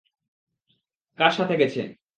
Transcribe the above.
কার সাথে গেছে?